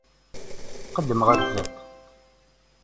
Qeddem ɣer zdat.